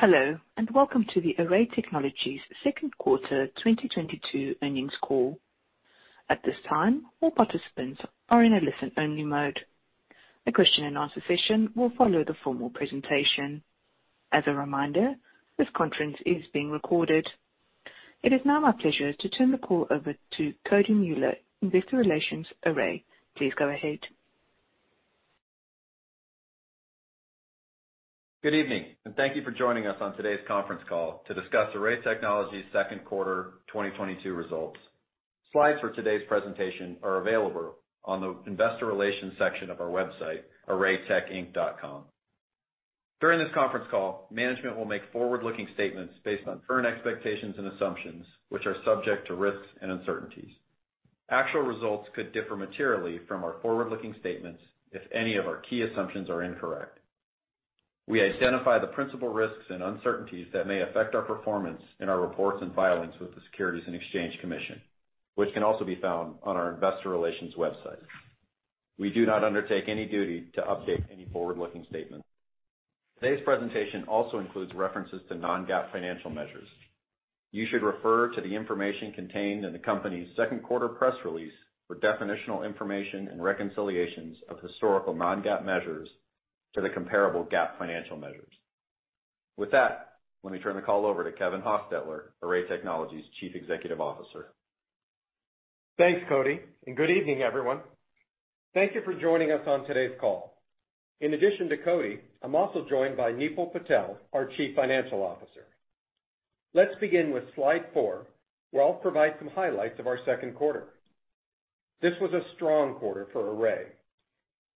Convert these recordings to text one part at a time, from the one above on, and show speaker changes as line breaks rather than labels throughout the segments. Hello, and welcome to the Array Technologies second quarter 2022 earnings call. At this time, all participants are in a listen-only mode. A question and answer session will follow the formal presentation. As a reminder, this conference is being recorded. It is now my pleasure to turn the call over to Cody Mueller, Investor Relations, Array. Please go ahead.
Good evening, and thank you for joining us on today's conference call to discuss Array Technologies second quarter 2022 results. Slides for today's presentation are available on the investor relations section of our website, arraytechinc.com. During this conference call, management will make forward-looking statements based on current expectations and assumptions, which are subject to risks and uncertainties. Actual results could differ materially from our forward-looking statements if any of our key assumptions are incorrect. We identify the principal risks and uncertainties that may affect our performance in our reports and filings with the Securities and Exchange Commission, which can also be found on our investor relations website. We do not undertake any duty to update any forward-looking statement. Today's presentation also includes references to non-GAAP financial measures. You should refer to the information contained in the company's second quarter press release for definitional information and reconciliations of historical non-GAAP measures to the comparable GAAP financial measures. With that, let me turn the call over to Kevin Hostetler, Array Technologies' Chief Executive Officer.
Thanks, Cody, and good evening, everyone. Thank you for joining us on today's call. In addition to Cody, I'm also joined by Nipul Patel, our Chief Financial Officer. Let's begin with slide four, where I'll provide some highlights of our second quarter. This was a strong quarter for Array.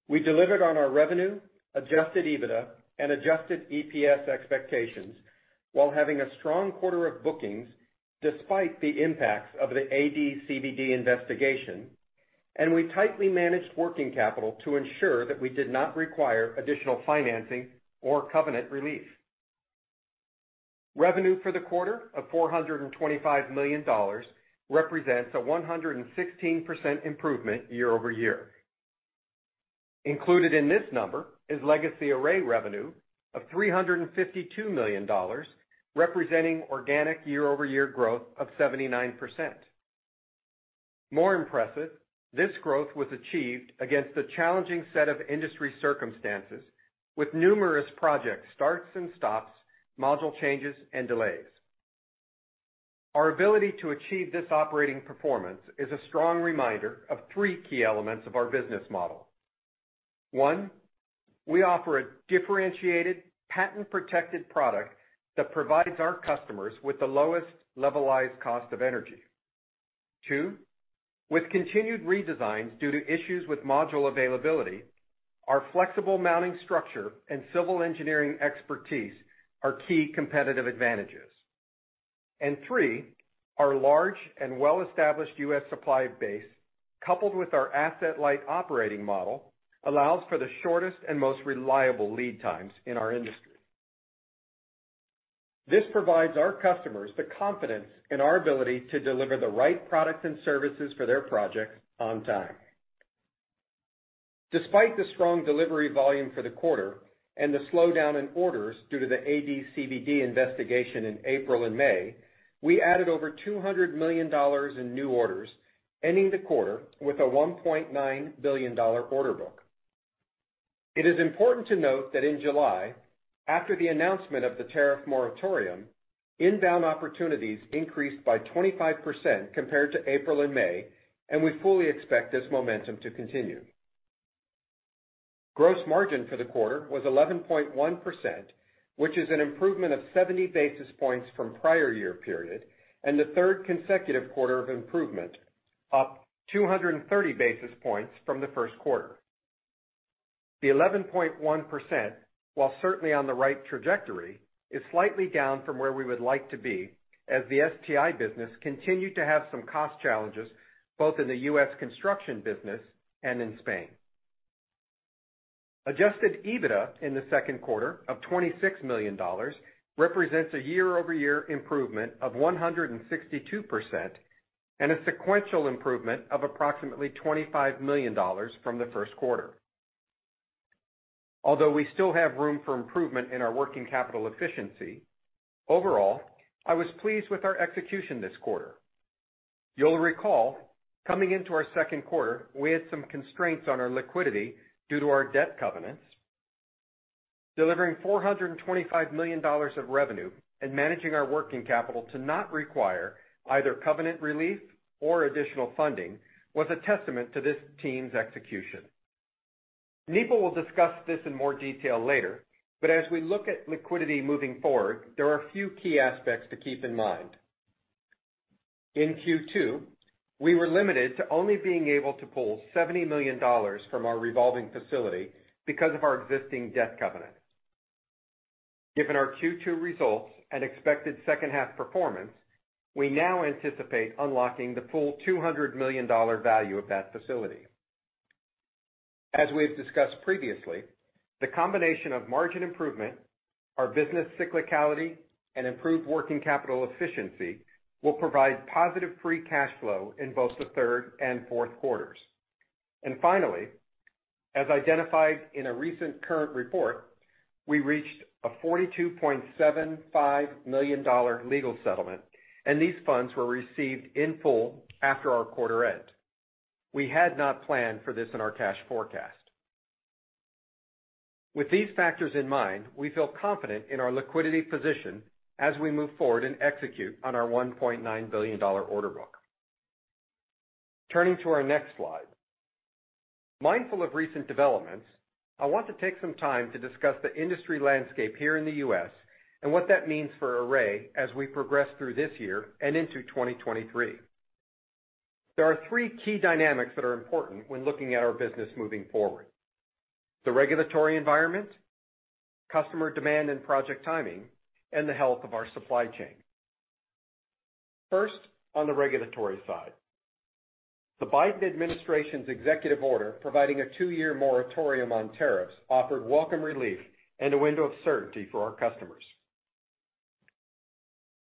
We delivered on our revenue, adjusted EBITDA, and adjusted EPS expectations while having a strong quarter of bookings despite the impacts of the AD/CVD investigation, and we tightly managed working capital to ensure that we did not require additional financing or covenant relief. Revenue for the quarter of $425 million represents a 116% improvement year-over-year. Included in this number is legacy Array revenue of $352 million, representing organic year-over-year growth of 79%. More impressive, this growth was achieved against a challenging set of industry circumstances with numerous project starts and stops, module changes, and delays. Our ability to achieve this operating performance is a strong reminder of three key elements of our business model. One, we offer a differentiated, patent-protected product that provides our customers with the lowest levelized cost of energy. Two, with continued redesigns due to issues with module availability, our flexible mounting structure and civil engineering expertise are key competitive advantages. Three, our large and well-established U.S. supply base, coupled with our asset-light operating model, allows for the shortest and most reliable lead times in our industry. This provides our customers the confidence in our ability to deliver the right products and services for their projects on time. Despite the strong delivery volume for the quarter and the slowdown in orders due to the AD/CVD investigation in April and May, we added over $200 million in new orders, ending the quarter with a $1.9 billion order book. It is important to note that in July, after the announcement of the tariff moratorium, inbound opportunities increased by 25% compared to April and May, and we fully expect this momentum to continue. Gross margin for the quarter was 11.1%, which is an improvement of 70 basis points from prior year period and the third consecutive quarter of improvement, up 230 basis points from the first quarter. The 11.1%, while certainly on the right trajectory, is slightly down from where we would like to be as the STI business continued to have some cost challenges, both in the U.S. construction business and in Spain. Adjusted EBITDA in the second quarter of $26 million represents a year-over-year improvement of 162% and a sequential improvement of approximately $25 million from the first quarter. Although we still have room for improvement in our working capital efficiency, overall, I was pleased with our execution this quarter. You'll recall, coming into our second quarter, we had some constraints on our liquidity due to our debt covenants. Delivering $425 million of revenue and managing our working capital to not require either covenant relief or additional funding was a testament to this team's execution. Nipul will discuss this in more detail later, but as we look at liquidity moving forward, there are a few key aspects to keep in mind. In Q2, we were limited to only being able to pull $70 million from our revolving facility because of our existing debt covenants. Given our Q2 results and expected second half performance, we now anticipate unlocking the full $200 million value of that facility. As we've discussed previously, the combination of margin improvement, our business cyclicality, and improved working capital efficiency will provide positive free cash flow in both the third and fourth quarters. Finally, as identified in a recent current report, we reached a $42.75 million legal settlement, and these funds were received in full after our quarter end. We had not planned for this in our cash forecast. With these factors in mind, we feel confident in our liquidity position as we move forward and execute on our $1.9 billion order book. Turning to our next slide. Mindful of recent developments, I want to take some time to discuss the industry landscape here in the U.S. and what that means for Array as we progress through this year and into 2023. There are three key dynamics that are important when looking at our business moving forward. The regulatory environment, customer demand and project timing, and the health of our supply chain. First, on the regulatory side. The Biden administration's executive order, providing a two-year moratorium on tariffs, offered welcome relief and a window of certainty for our customers.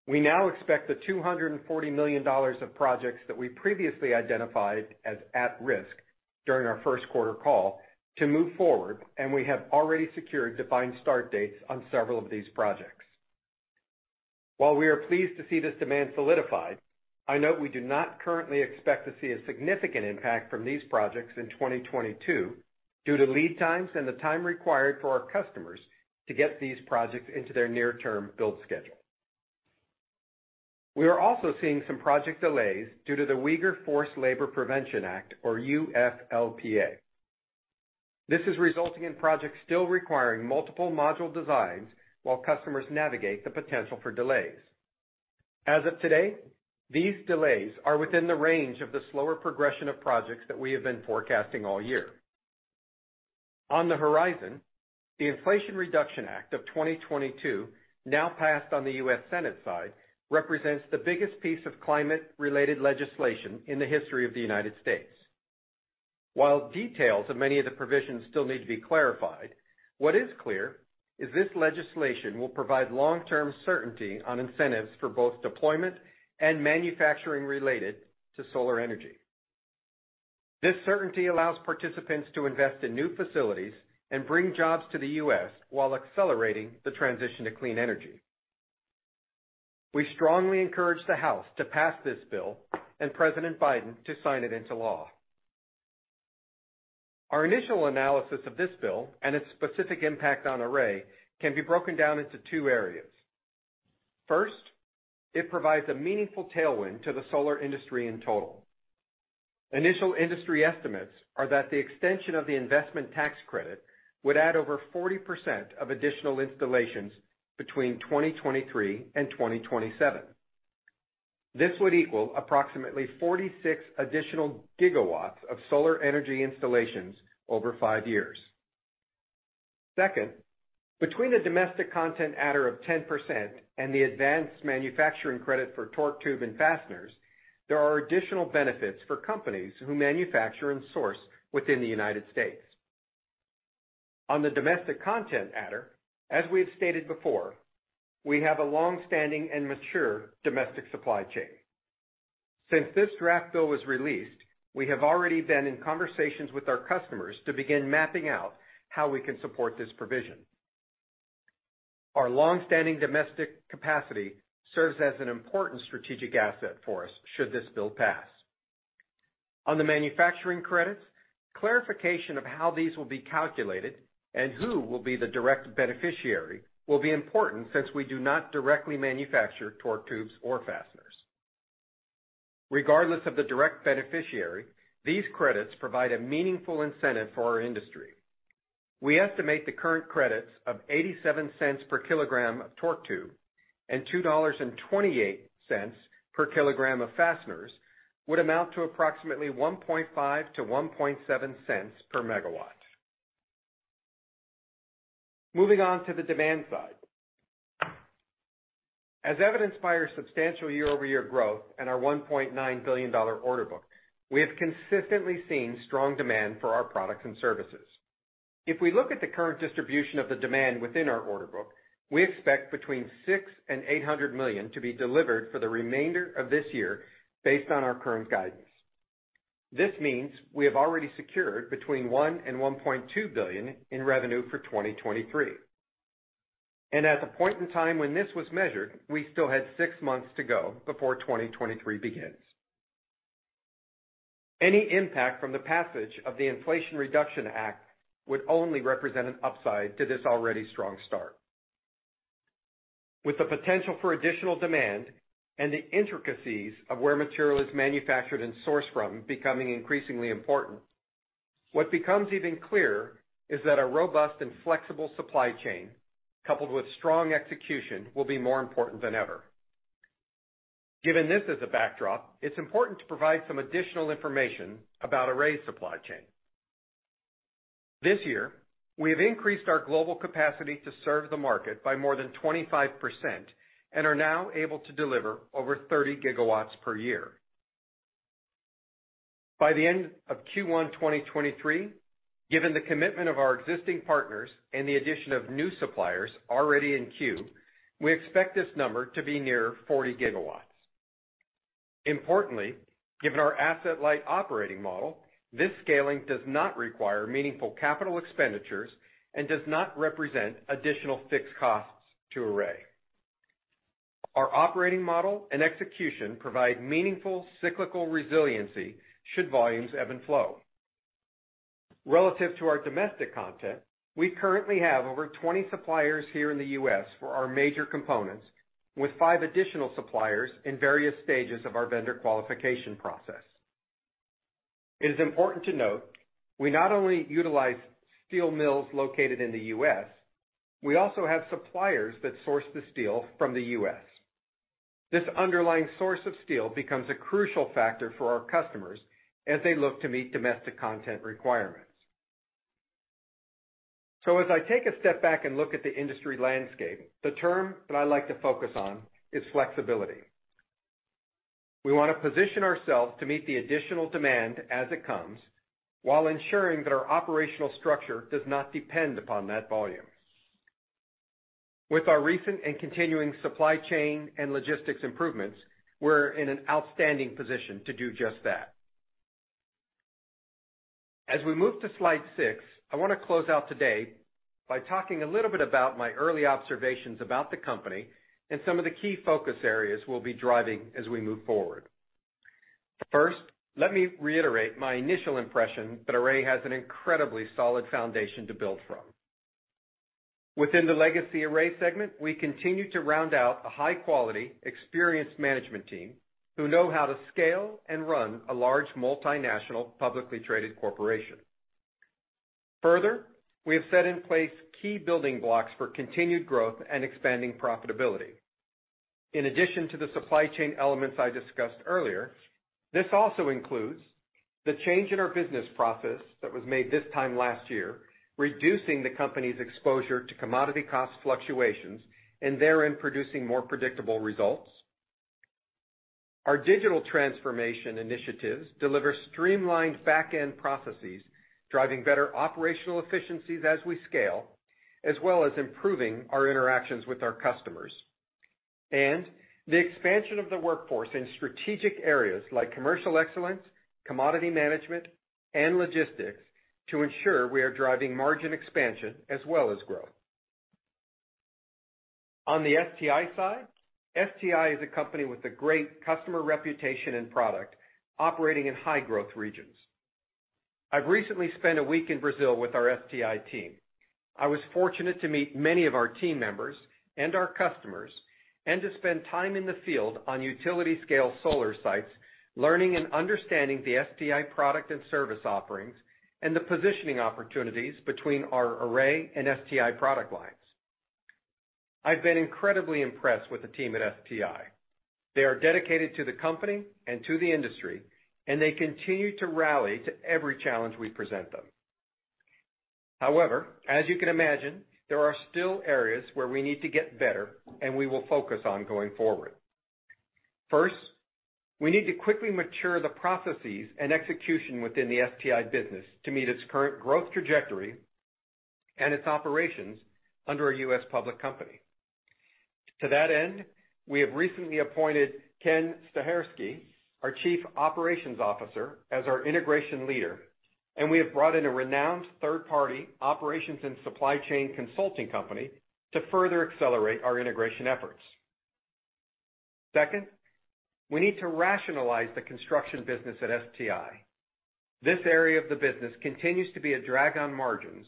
We now expect the $240 million of projects that we previously identified as at risk during our first quarter call to move forward, and we have already secured defined start dates on several of these projects. While we are pleased to see this demand solidified, I note we do not currently expect to see a significant impact from these projects in 2022 due to lead times and the time required for our customers to get these projects into their near-term build schedule. We are also seeing some project delays due to the Uyghur Forced Labor Prevention Act, or UFLPA. This is resulting in projects still requiring multiple module designs while customers navigate the potential for delays. As of today, these delays are within the range of the slower progression of projects that we have been forecasting all year. On the horizon, the Inflation Reduction Act of 2022, now passed on the U.S. Senate side, represents the biggest piece of climate-related legislation in the history of the United States. While details of many of the provisions still need to be clarified, what is clear is this legislation will provide long-term certainty on incentives for both deployment and manufacturing related to solar energy. This certainty allows participants to invest in new facilities and bring jobs to the U.S. while accelerating the transition to clean energy. We strongly encourage the House to pass this bill and President Biden to sign it into law. Our initial analysis of this bill and its specific impact on Array can be broken down into two areas. First, it provides a meaningful tailwind to the solar industry in total. Initial industry estimates are that the extension of the Investment Tax Credit would add over 40% of additional installations between 2023 and 2027. This would equal approximately 46 additional gigawatts of solar energy installations over five years. Second, between the domestic content adder of 10% and the advanced manufacturing credit for torque tube and fasteners, there are additional benefits for companies who manufacture and source within the United States. On the domestic content adder, as we have stated before, we have a long-standing and mature domestic supply chain. Since this draft bill was released, we have already been in conversations with our customers to begin mapping out how we can support this provision. Our long-standing domestic capacity serves as an important strategic asset for us should this bill pass. On the manufacturing credits, clarification of how these will be calculated and who will be the direct beneficiary will be important since we do not directly manufacture torque tubes or fasteners. Regardless of the direct beneficiary, these credits provide a meaningful incentive for our industry. We estimate the current credits of $0.87 per kilogram of torque tube and $2.28 per kilogram of fasteners would amount to approximately $0.015-$0.017 per megawatt. Moving on to the demand side. As evidenced by our substantial year-over-year growth and our $1.9 billion order book, we have consistently seen strong demand for our products and services. If we look at the current distribution of the demand within our order book, we expect between $600 million and $800 million to be delivered for the remainder of this year based on our current guidance. This means we have already secured between $1 billion and $1.2 billion in revenue for 2023. At the point in time when this was measured, we still had six months to go before 2023 begins. Any impact from the passage of the Inflation Reduction Act would only represent an upside to this already strong start. With the potential for additional demand and the intricacies of where material is manufactured and sourced from becoming increasingly important, what becomes even clearer is that a robust and flexible supply chain coupled with strong execution will be more important than ever. Given this as a backdrop, it's important to provide some additional information about Array's supply chain. This year, we have increased our global capacity to serve the market by more than 25% and are now able to deliver over 30 GW per year. By the end of Q1, 2023, given the commitment of our existing partners and the addition of new suppliers already in queue, we expect this number to be near 40 GW. Importantly, given our asset-light operating model, this scaling does not require meaningful capital expenditures and does not represent additional fixed costs to Array. Our operating model and execution provide meaningful cyclical resiliency should volumes ebb and flow. Relative to our domestic content, we currently have over 20 suppliers here in the U.S. for our major components, with 5 additional suppliers in various stages of our vendor qualification process. It is important to note we not only utilize steel mills located in the U.S., we also have suppliers that source the steel from the U.S. This underlying source of steel becomes a crucial factor for our customers as they look to meet domestic content requirements. As I take a step back and look at the industry landscape, the term that I like to focus on is flexibility. We wanna position ourselves to meet the additional demand as it comes, while ensuring that our operational structure does not depend upon that volume. With our recent and continuing supply chain and logistics improvements, we're in an outstanding position to do just that. As we move to slide six, I wanna close out today by talking a little bit about my early observations about the company and some of the key focus areas we'll be driving as we move forward. First, let me reiterate my initial impression that Array has an incredibly solid foundation to build from. Within the legacy Array segment, we continue to round out a high-quality, experienced management team who know how to scale and run a large multinational publicly traded corporation. Further, we have set in place key building blocks for continued growth and expanding profitability. In addition to the supply chain elements I discussed earlier, this also includes the change in our business process that was made this time last year, reducing the company's exposure to commodity cost fluctuations, and therein producing more predictable results. Our digital transformation initiatives deliver streamlined back-end processes, driving better operational efficiencies as we scale, as well as improving our interactions with our customers. The expansion of the workforce in strategic areas like commercial excellence, commodity management, and logistics to ensure we are driving margin expansion as well as growth. On the STI side, STI is a company with a great customer reputation and product operating in high-growth regions. I've recently spent a week in Brazil with our STI team. I was fortunate to meet many of our team members and our customers, and to spend time in the field on utility scale solar sites, learning and understanding the STI product and service offerings, and the positioning opportunities between our Array and STI product lines. I've been incredibly impressed with the team at STI. They are dedicated to the company and to the industry, and they continue to rally to every challenge we present them. However, as you can imagine, there are still areas where we need to get better, and we will focus on going forward. First, we need to quickly mature the processes and execution within the STI business to meet its current growth trajectory and its operations under a U.S. public company. To that end, we have recently appointed Ken Stachurski, our Chief Operations Officer, as our integration leader, and we have brought in a renowned third-party operations and supply chain consulting company to further accelerate our integration efforts. Second, we need to rationalize the construction business at STI. This area of the business continues to be a drag on margins,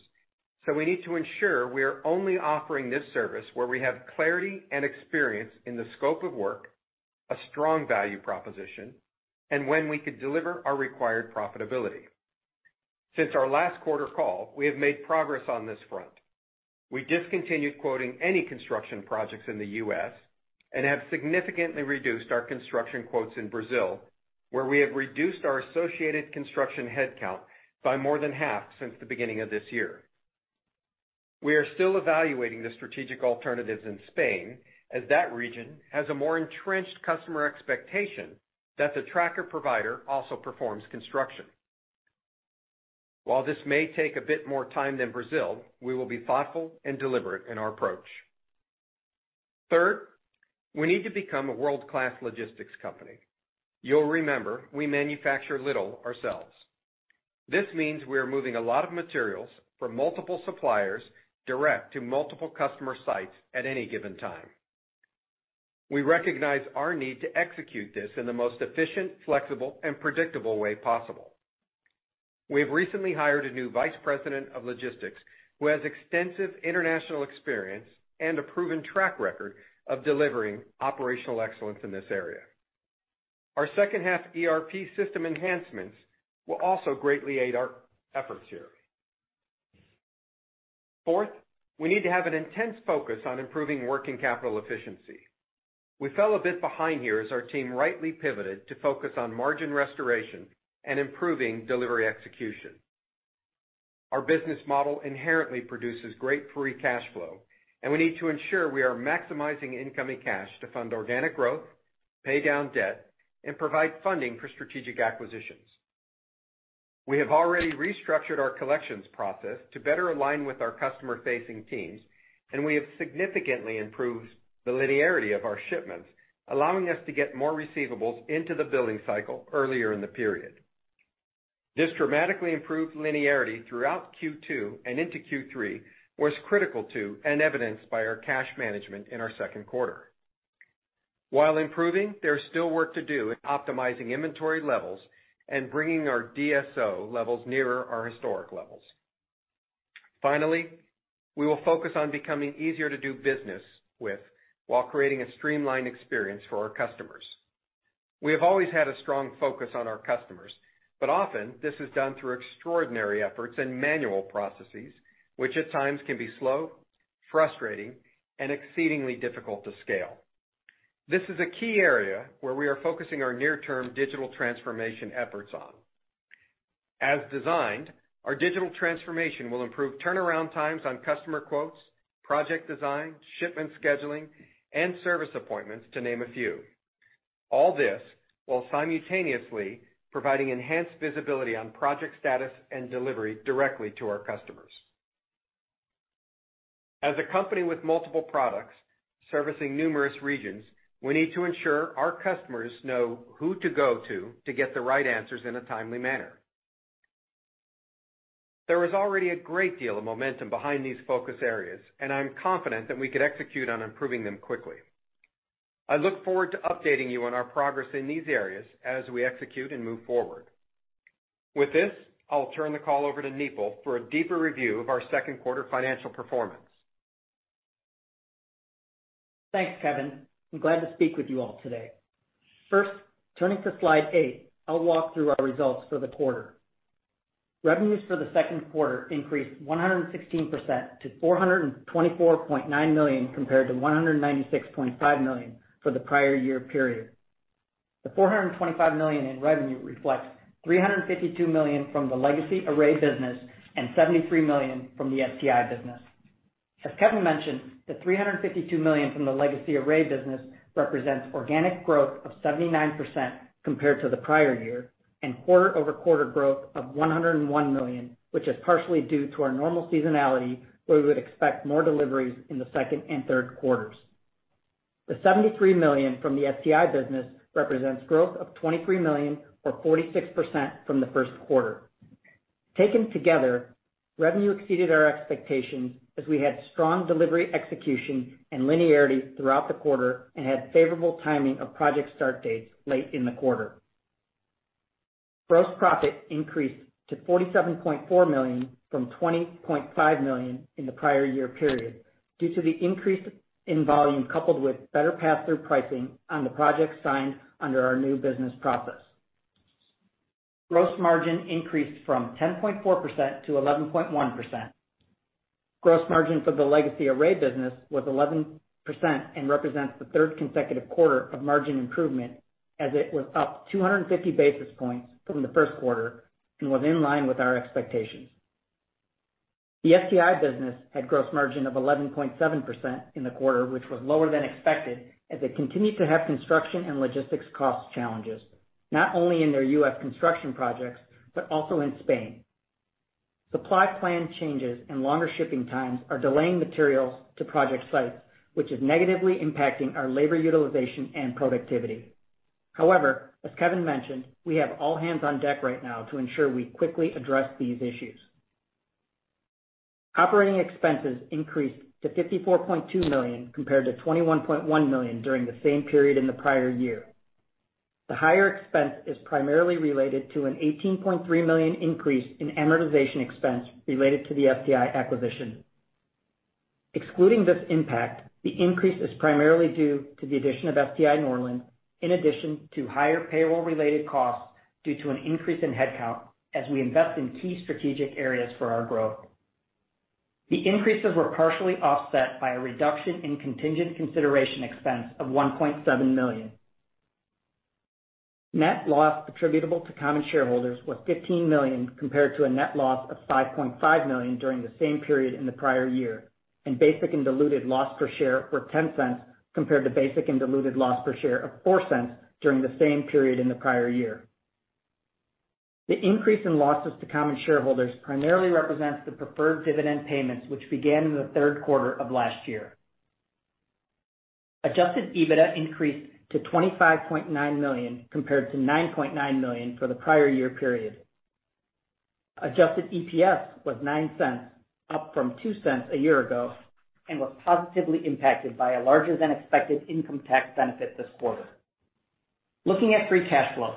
so we need to ensure we are only offering this service where we have clarity and experience in the scope of work, a strong value proposition, and when we could deliver our required profitability. Since our last quarter call, we have made progress on this front. We discontinued quoting any construction projects in the U.S. and have significantly reduced our construction quotes in Brazil, where we have reduced our associated construction headcount by more than half since the beginning of this year. We are still evaluating the strategic alternatives in Spain, as that region has a more entrenched customer expectation that the tracker provider also performs construction. While this may take a bit more time than Brazil, we will be thoughtful and deliberate in our approach. Third, we need to become a world-class logistics company. You'll remember we manufacture little ourselves. This means we are moving a lot of materials from multiple suppliers direct to multiple customer sites at any given time. We recognize our need to execute this in the most efficient, flexible, and predictable way possible. We have recently hired a new vice president of logistics who has extensive international experience and a proven track record of delivering operational excellence in this area. Our second half ERP system enhancements will also greatly aid our efforts here. Fourth, we need to have an intense focus on improving working capital efficiency. We fell a bit behind here as our team rightly pivoted to focus on margin restoration and improving delivery execution. Our business model inherently produces great free cash flow, and we need to ensure we are maximizing incoming cash to fund organic growth, pay down debt, and provide funding for strategic acquisitions. We have already restructured our collections process to better align with our customer-facing teams, and we have significantly improved the linearity of our shipments, allowing us to get more receivables into the billing cycle earlier in the period. This dramatically improved linearity throughout Q2 and into Q3 was critical to and evidenced by our cash management in our second quarter. While improving, there's still work to do in optimizing inventory levels and bringing our DSO levels nearer our historic levels. Finally, we will focus on becoming easier to do business with while creating a streamlined experience for our customers. We have always had a strong focus on our customers, but often this is done through extraordinary efforts and manual processes, which at times can be slow, frustrating, and exceedingly difficult to scale. This is a key area where we are focusing our near-term digital transformation efforts on. As designed, our digital transformation will improve turnaround times on customer quotes, project design, shipment scheduling, and service appointments, to name a few. All this while simultaneously providing enhanced visibility on project status and delivery directly to our customers. As a company with multiple products servicing numerous regions, we need to ensure our customers know who to go to to get the right answers in a timely manner. There is already a great deal of momentum behind these focus areas, and I'm confident that we could execute on improving them quickly. I look forward to updating you on our progress in these areas as we execute and move forward. With this, I'll turn the call over to Nipul for a deeper review of our second quarter financial performance.
Thanks, Kevin. I'm glad to speak with you all today. First, turning to slide 8, I'll walk through our results for the quarter. Revenues for the second quarter increased 116% to $424.9 million compared to $196.5 million for the prior year period. The $425 million in revenue reflects $352 million from the legacy Array business and $73 million from the STI business. As Kevin mentioned, the $352 million from the legacy Array business represents organic growth of 79% compared to the prior year, and quarter-over-quarter growth of $101 million, which is partially due to our normal seasonality, where we would expect more deliveries in the second and third quarters. The $73 million from the STI business represents growth of $23 million or 46% from the first quarter. Taken together, revenue exceeded our expectations as we had strong delivery execution and linearity throughout the quarter and had favorable timing of project start dates late in the quarter. Gross profit increased to $47.4 million from $20.5 million in the prior year period due to the increase in volume coupled with better pass-through pricing on the projects signed under our new business process. Gross margin increased from 10.4%-11.1%. Gross margin for the legacy Array business was 11% and represents the third consecutive quarter of margin improvement as it was up 250 basis points from the first quarter and was in line with our expectations. The STI business had gross margin of 11.7% in the quarter, which was lower than expected as it continued to have construction and logistics cost challenges, not only in their U.S. construction projects, but also in Spain. Supply plan changes and longer shipping times are delaying materials to project sites, which is negatively impacting our labor utilization and productivity. However, as Kevin mentioned, we have all hands on deck right now to ensure we quickly address these issues. Operating expenses increased to $54.2 million compared to $21.1 million during the same period in the prior year. The higher expense is primarily related to an $18.3 million increase in amortization expense related to the STI acquisition. Excluding this impact, the increase is primarily due to the addition of STI Norland, in addition to higher payroll-related costs due to an increase in headcount as we invest in key strategic areas for our growth. The increases were partially offset by a reduction in contingent consideration expense of $1.7 million. Net loss attributable to common shareholders was $15 million compared to a net loss of $5.5 million during the same period in the prior year, and basic and diluted loss per share were $0.10 compared to basic and diluted loss per share of $0.04 during the same period in the prior year. The increase in losses to common shareholders primarily represents the preferred dividend payments, which began in the third quarter of last year. Adjusted EBITDA increased to $25.9 million compared to $9.9 million for the prior year period. Adjusted EPS was $0.09, up from $0.02 a year ago, and was positively impacted by a larger than expected income tax benefit this quarter. Looking at free cash flow,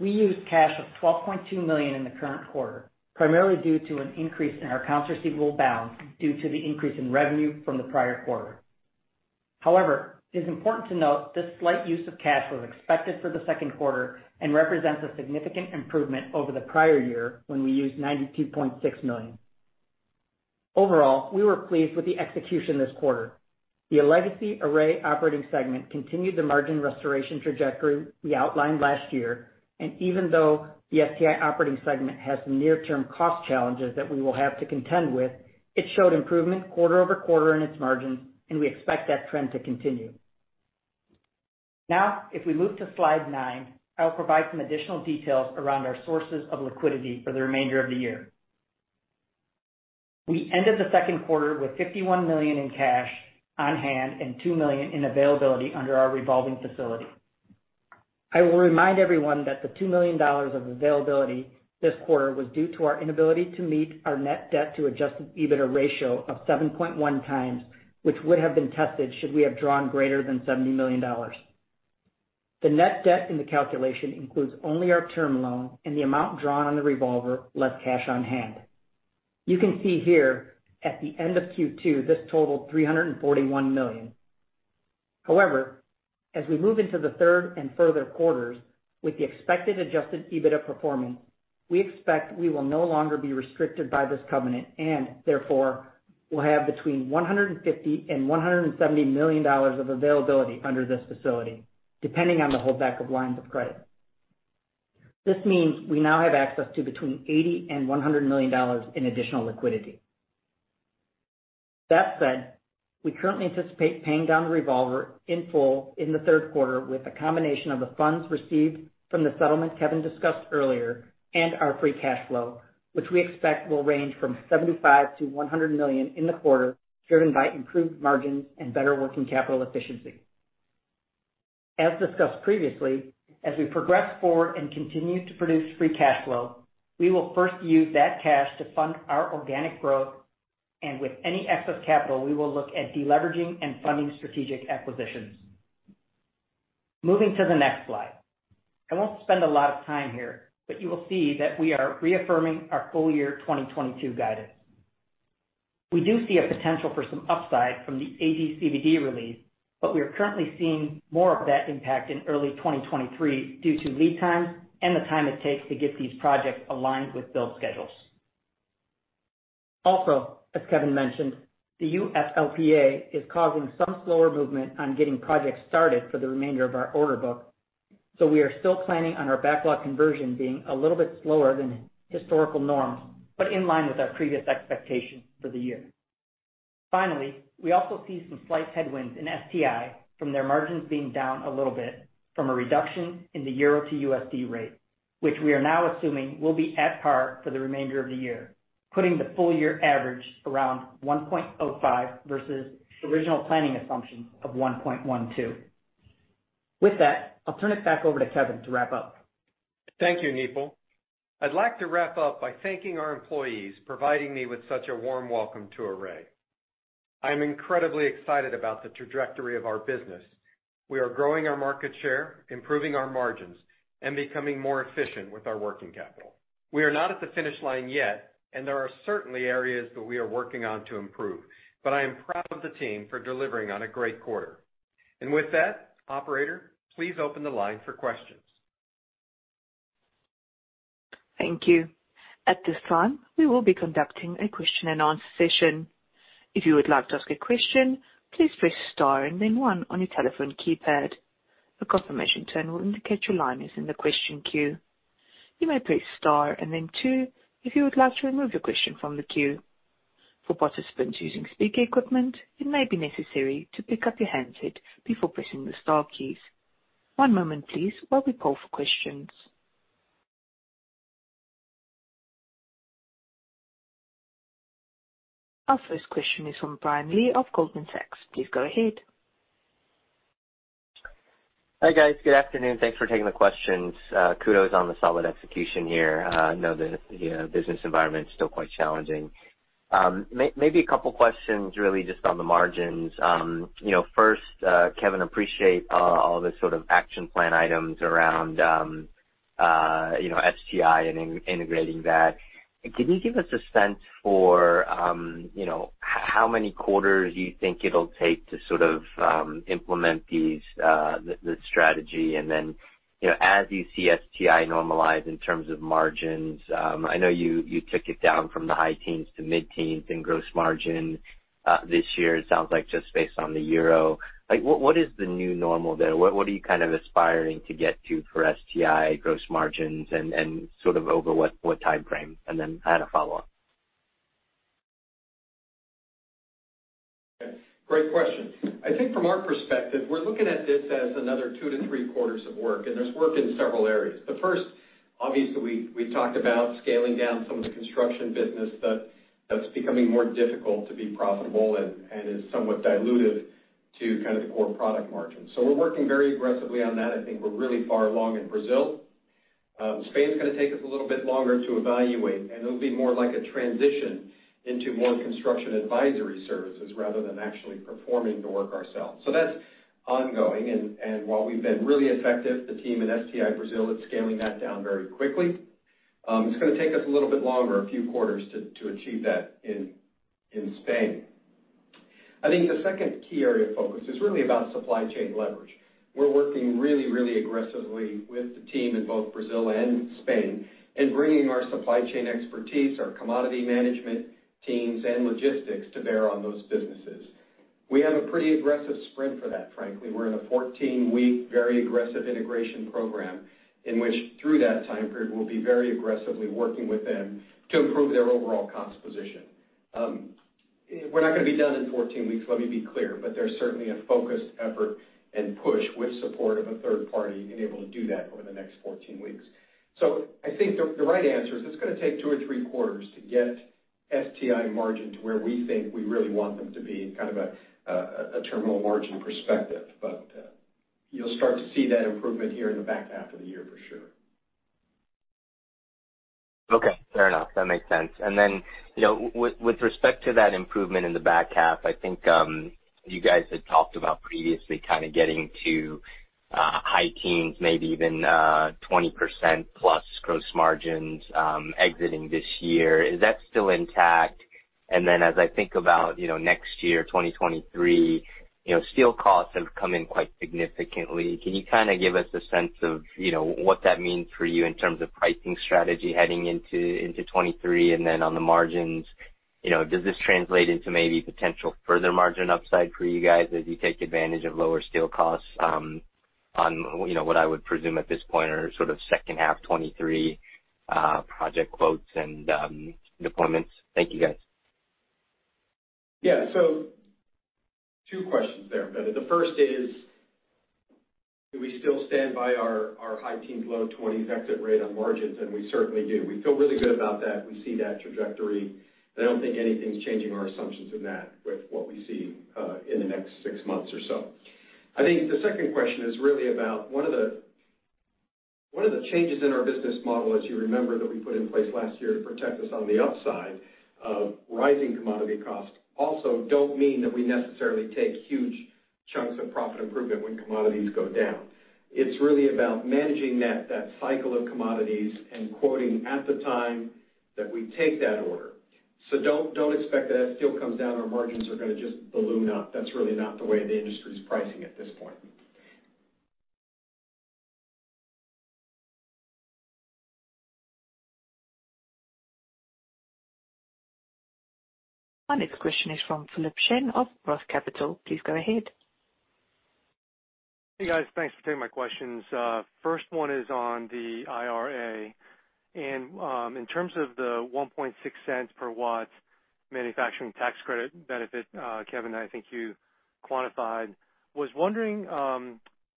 we used $12.2 million in the current quarter, primarily due to an increase in our accounts receivable balance due to the increase in revenue from the prior quarter. However, it is important to note this slight use of cash was expected for the second quarter and represents a significant improvement over the prior year when we used $92.6 million. Overall, we were pleased with the execution this quarter. The legacy Array operating segment continued the margin restoration trajectory we outlined last year, and even though the STI operating segment has some near-term cost challenges that we will have to contend with, it showed improvement quarter-over-quarter in its margins, and we expect that trend to continue. Now, if we move to slide 9, I'll provide some additional details around our sources of liquidity for the remainder of the year. We ended the second quarter with $51 million in cash on hand and $2 million in availability under our revolving facility. I will remind everyone that the $2 million of availability this quarter was due to our inability to meet our net debt to adjusted EBITDA ratio of 7.1x, which would have been tested should we have drawn greater than $70 million. The net debt in the calculation includes only our term loan and the amount drawn on the revolver, less cash on hand. You can see here at the end of Q2, this totaled $341 million. However, as we move into the third and further quarters with the expected adjusted EBITDA performance, we expect we will no longer be restricted by this covenant and therefore will have between $150 million and $170 million of availability under this facility, depending on the holdback of lines of credit. This means we now have access to between $80 million and $100 million in additional liquidity. That said, we currently anticipate paying down the revolver in full in the third quarter with a combination of the funds received from the settlement Kevin discussed earlier and our free cash flow, which we expect will range from $75 million-$100 million in the quarter, driven by improved margins and better working capital efficiency. As discussed previously, as we progress forward and continue to produce free cash flow, we will first use that cash to fund our organic growth, and with any excess capital, we will look at de-leveraging and funding strategic acquisitions. Moving to the next slide. I won't spend a lot of time here, but you will see that we are reaffirming our full year 2022 guidance. We do see a potential for some upside from the AD/CVD release, but we are currently seeing more of that impact in early 2023 due to lead times and the time it takes to get these projects aligned with build schedules. Also, as Kevin mentioned, the UFLPA is causing some slower movement on getting projects started for the remainder of our order book. We are still planning on our backlog conversion being a little bit slower than historical norms, but in line with our previous expectations for the year. Finally, we also see some slight headwinds in STI from their margins being down a little bit from a reduction in the euro to USD rate, which we are now assuming will be at par for the remainder of the year, putting the full year average around 1.05 versus original planning assumptions of 1.12. With that, I'll turn it back over to Kevin to wrap up.
Thank you, Nipul. I'd like to wrap up by thanking our employees, providing me with such a warm welcome to Array. I'm incredibly excited about the trajectory of our business. We are growing our market share, improving our margins, and becoming more efficient with our working capital. We are not at the finish line yet, and there are certainly areas that we are working on to improve, but I am proud of the team for delivering on a great quarter. With that, operator, please open the line for questions.
Thank you. At this time, we will be conducting a question and answer session. If you would like to ask a question, please press star and then one on your telephone keypad. A confirmation tone will indicate your line is in the question queue. You may press star and then two if you would like to remove your question from the queue. For participants using speaker equipment, it may be necessary to pick up your handset before pressing the star keys. One moment please while we call for questions. Our first question is from Brian Lee of Goldman Sachs. Please go ahead.
Hi, guys. Good afternoon. Thanks for taking the questions. Kudos on the solid execution here. I know the business environment is still quite challenging. Maybe a couple of questions really just on the margins. You know, first, Kevin, appreciate all the sort of action plan items around, you know, STI and integrating that. Can you give us a sense for, you know, how many quarters you think it'll take to sort of implement these, this strategy? And then, you know, as you see STI normalize in terms of margins, I know you took it down from the high teens to mid-teens in gross margin, this year, it sounds like, just based on the euro. Like, what is the new normal there? What are you kind of aspiring to get to for STI gross margins and sort of over what time frame? I had a follow-up.
Great question. I think from our perspective, we're looking at this as another 2-3 quarters of work, and there's work in several areas. The first, obviously, we talked about scaling down some of the construction business that's becoming more difficult to be profitable and is somewhat diluted to kind of the core product margins. We're working very aggressively on that. I think we're really far along in Brazil. Spain's gonna take us a little bit longer to evaluate, and it'll be more like a transition into more Construction Advisory Services rather than actually performing the work ourselves. That's ongoing. While we've been really effective, the team in STI Brazil is scaling that down very quickly. It's gonna take us a little bit longer, a few quarters to achieve that in Spain. I think the second key area of focus is really about supply chain leverage. We're working really aggressively with the team in both Brazil and Spain in bringing our supply chain expertise, our commodity management teams and logistics to bear on those businesses. We have a pretty aggressive sprint for that, frankly. We're in a 14-week, very aggressive integration program in which through that time period, we'll be very aggressively working with them to improve their overall cost position. We're not gonna be done in 14 weeks, let me be clear, but there's certainly a focused effort and push with support of a third party to be able to do that over the next 14 weeks. I think the right answer is it's gonna take 2 or 3 quarters to get STI margin to where we think we really want them to be in kind of a terminal margin perspective. You'll start to see that improvement here in the back half of the year for sure.
Okay. Fair enough. That makes sense. Then, you know, with respect to that improvement in the back half, I think, you guys had talked about previously kinda getting to high teens, maybe even 20% plus gross margins, exiting this year. Is that still intact? Then as I think about, you know, next year, 2023, you know, steel costs have come in quite significantly. Can you kinda give us a sense of, you know, what that means for you in terms of pricing strategy heading into 2023? Then on the margins, you know, does this translate into maybe potential further margin upside for you guys as you take advantage of lower steel costs, on, you know, what I would presume at this point are sort of second half 2023 project quotes and deployments? Thank you, guys.
Yeah. Two questions there. The first is, do we still stand by our high teens, low twenties exit rate on margins? We certainly do. We feel really good about that. We see that trajectory, and I don't think anything's changing our assumptions in that with what we see in the next six months or so. I think the second question is really about what are the changes in our business model, as you remember, that we put in place last year to protect us on the upside of rising commodity costs also don't mean that we necessarily take huge chunks of profit improvement when commodities go down. It's really about managing that cycle of commodities and quoting at the time that we take that order. Don't expect that if steel comes down, our margins are gonna just balloon up. That's really not the way the industry's pricing at this point.
Our next question is from Philip Shen of Roth Capital. Please go ahead.
Hey, guys. Thanks for taking my questions. First one is on the IRA. In terms of the $0.016 per watt manufacturing tax credit benefit, Kevin, I think you quantified. Was wondering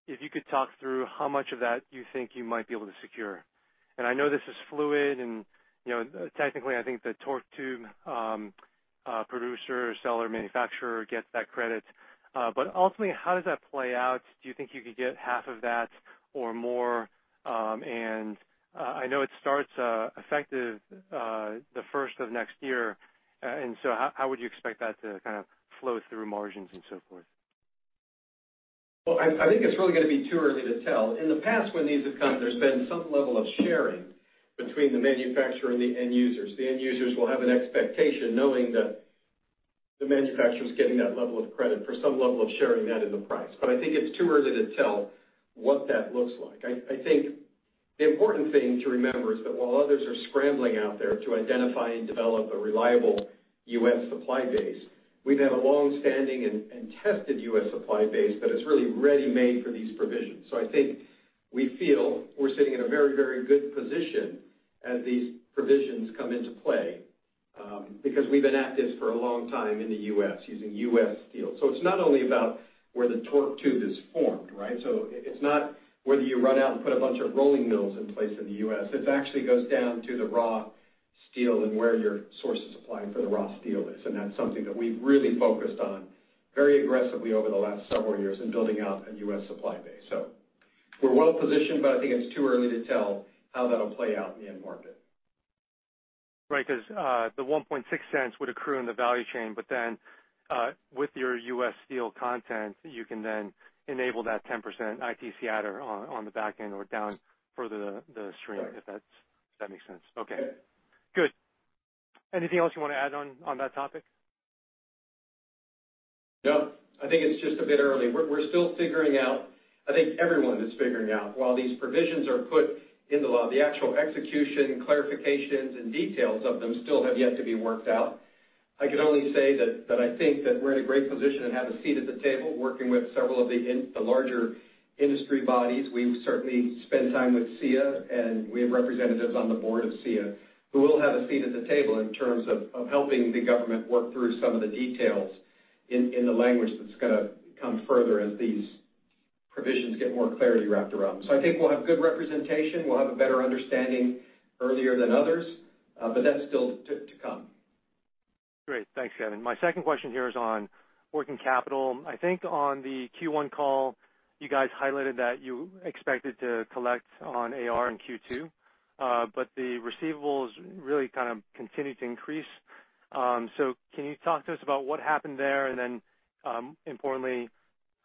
if you could talk through how much of that you think you might be able to secure. I know this is fluid and, you know, technically, I think the torque tube producer, seller, manufacturer gets that credit. But ultimately, how does that play out? Do you think you could get half of that or more, and I know it starts effective the first of next year. How would you expect that to kind of flow through margins and so forth?
Well, I think it's really gonna be too early to tell. In the past when these have come, there's been some level of sharing between the manufacturer and the end users. The end users will have an expectation knowing that the manufacturer's getting that level of credit for some level of sharing that in the price. I think it's too early to tell what that looks like. I think the important thing to remember is that while others are scrambling out there to identify and develop a reliable U.S. supply base, we've had a long-standing and tested U.S. supply base that is really ready-made for these provisions. I think we feel we're sitting in a very, very good position as these provisions come into play, because we've been at this for a long time in the U.S. using U.S. steel. It's not only about where the torque tube is formed, right? It's not whether you run out and put a bunch of rolling mills in place in the U.S. It actually goes down to the raw steel and where your source is supplying for the raw steel is, and that's something that we've really focused on very aggressively over the last several years in building out a U.S. supply base. We're well-positioned, but I think it's too early to tell how that'll play out in the end market.
Right. 'Cause the 1.6 cents would accrue in the value chain, but then with your U.S. steel content, you can then enable that 10% ITC adder on the back end or down further the stream-
Right.
If that makes sense. Okay.
Yeah.
Good. Anything else you wanna add on that topic?
No. I think it's just a bit early. We're still figuring out. I think everyone is figuring out. While these provisions are put in the law, the actual execution, clarifications, and details of them still have yet to be worked out. I can only say that I think that we're in a great position and have a seat at the table working with several of the larger industry bodies. We certainly spend time with SEIA, and we have representatives on the board of SEIA, who will have a seat at the table in terms of helping the government work through some of the details in the language that's gonna come further as these provisions get more clarity wrapped around. I think we'll have good representation. We'll have a better understanding earlier than others, but that's still to come.
Great. Thanks, Kevin. My second question here is on working capital. I think on the Q1 call, you guys highlighted that you expected to collect on AR in Q2, but the receivables really kind of continued to increase. Can you talk to us about what happened there? Importantly,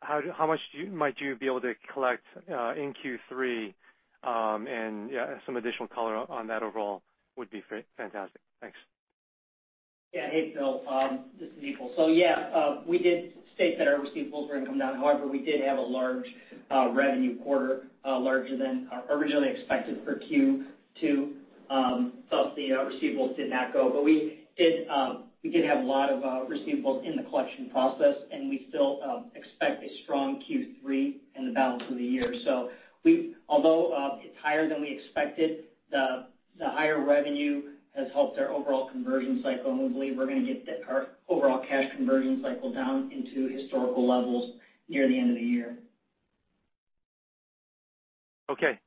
how much might you be able to collect in Q3? Yeah, some additional color on that overall would be fantastic. Thanks.
Yeah. Hey, Phil. This is Nipul. Yeah, we did state that our receivables were gonna come down hard, but we did have a lot Large revenue quarter, larger than originally expected for Q2. The receivables did not grow, but we did have a lot of receivables in the collection process, and we still expect a strong Q3 and the balance of the year. Although it's higher than we expected, the higher revenue has helped our overall cash conversion cycle, and we believe we're gonna get our overall cash conversion cycle down into historical levels near the end of the year.
Okay.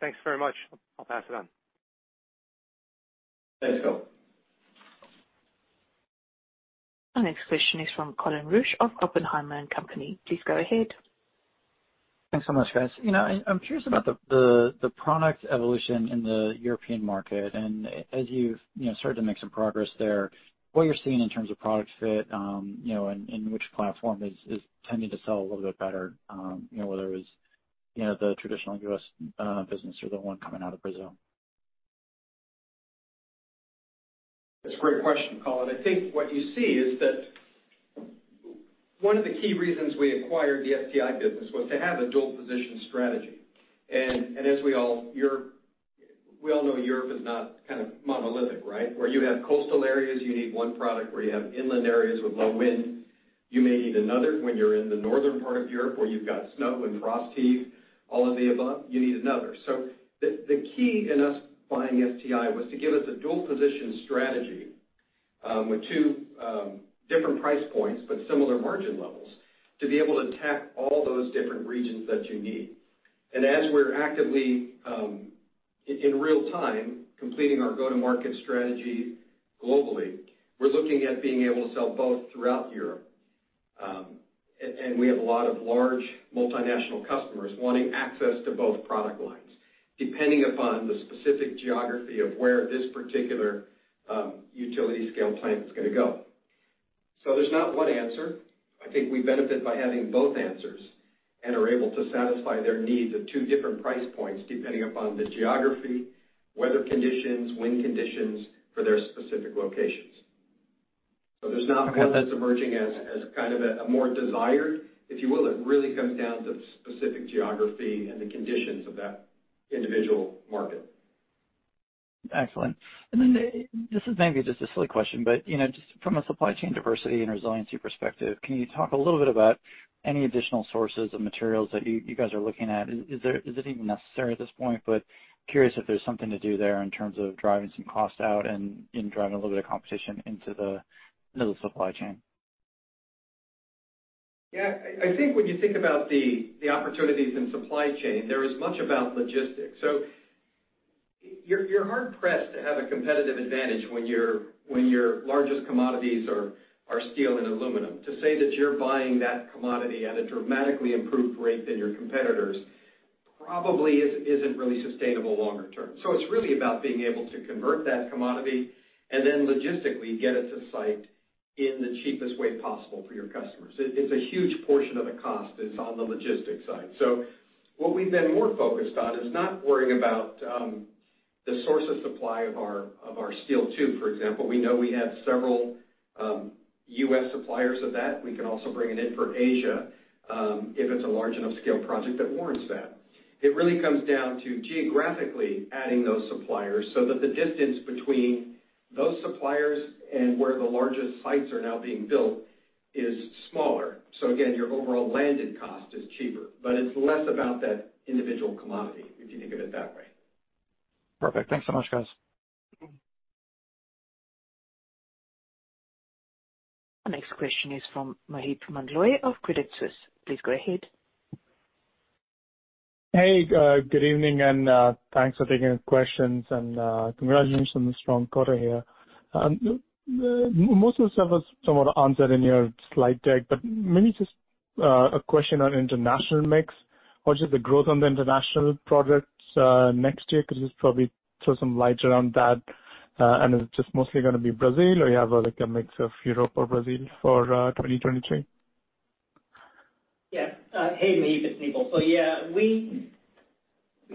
Thanks very much. I'll pass it on.
Thanks, Phil.
Our next question is from Colin Rusch of Oppenheimer & Co. Please go ahead.
Thanks so much, guys. You know, I'm curious about the product evolution in the European market. As you've, you know, started to make some progress there, what you're seeing in terms of product fit, you know, and which platform is tending to sell a little bit better, you know, whether it's, you know, the traditional U.S. business or the one coming out of Brazil.
That's a great question, Colin. I think what you see is that one of the key reasons we acquired the STI business was to have a dual position strategy. As we all know, Europe is not kind of monolithic, right? Where you have coastal areas, you need one product. Where you have inland areas with low wind, you may need another. When you're in the northern part of Europe where you've got snow and frost heave, all of the above, you need another. So the key in us buying STI was to give us a dual position strategy with two different price points but similar margin levels to be able to attack all those different regions that you need. As we're actively in real time completing our go-to-market strategy globally, we're looking at being able to sell both throughout Europe. We have a lot of large multinational customers wanting access to both product lines, depending upon the specific geography of where this particular utility scale plant is gonna go. There's not one answer. I think we benefit by having both answers and are able to satisfy their needs at two different price points, depending upon the geography, weather conditions, wind conditions for their specific locations. There's not one that's emerging as kind of a more desired, if you will. It really comes down to specific geography and the conditions of that individual market.
Excellent. This is maybe just a silly question, but, you know, just from a supply chain diversity and resiliency perspective, can you talk a little bit about any additional sources of materials that you guys are looking at? Is it even necessary at this point? But curious if there's something to do there in terms of driving some cost out and driving a little bit of competition into the supply chain.
Yeah. I think when you think about the opportunities in supply chain, there is much about logistics. You're hard pressed to have a competitive advantage when your largest commodities are steel and aluminum. To say that you're buying that commodity at a dramatically improved rate than your competitors probably isn't really sustainable longer term. It's really about being able to convert that commodity and then logistically get it to site in the cheapest way possible for your customers. It's a huge portion of the cost is on the logistics side. What we've been more focused on is not worrying about the source of supply of our steel tube, for example. We know we have several U.S. suppliers of that. We can also bring it in for Asia, if it's a large enough scale project that warrants that. It really comes down to geographically adding those suppliers so that the distance between those suppliers and where the largest sites are now being built is smaller. Again, your overall landed cost is cheaper. It's less about that individual commodity, if you think of it that way.
Perfect. Thanks so much, guys.
Our next question is from Maheep Mandloi of Credit Suisse. Please go ahead.
Hey, good evening, and thanks for taking the questions, and congratulations on the strong quarter here. Most of the stuff was somewhat answered in your slide deck, but maybe just a question on international mix. What is the growth on the international products next year? Could you just probably throw some light on that? Is it just mostly gonna be Brazil or you have like a mix of Europe or Brazil for 2023?
Yeah. Hey, Maheep, it's Nipul. Yeah, we